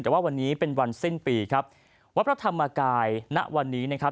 แต่ว่าวันนี้เป็นวันสิ้นปีครับวัดพระธรรมกายณวันนี้นะครับ